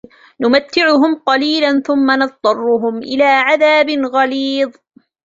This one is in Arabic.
نمتعهم قليلا ثم نضطرهم إلى عذاب غليظ